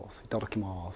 いただきます。